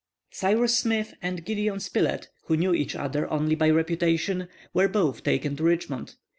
Cyrus Smith and Gideon Spilett, who knew each other only by reputation, were both taken to Richmond.